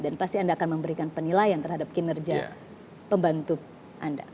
dan pasti anda akan memberikan penilaian terhadap kinerja pembantu anda